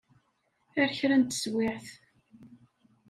Ar kra n teswiɛt.